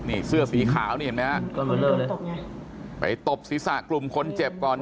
นี่เสื้อสีขาวนี่เห็นไหมฮะไปตบศีรษะกลุ่มคนเจ็บก่อน